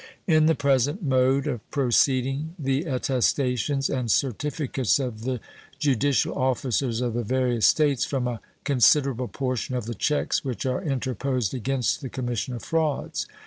In the present mode of proceeding the attestations and certificates of the judicial officers of the various States from a considerable portion of the checks which are interposed against the commission of frauds.